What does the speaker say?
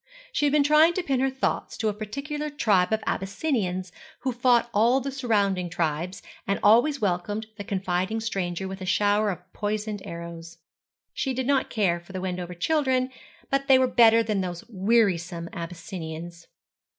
She had been trying to pin her thoughts to a particular tribe of Abyssinians, who fought all the surrounding tribes, and always welcomed the confiding stranger with a shower of poisoned arrows. She did not care for the Wendover children, but they were better than those wearisome Abyssinians.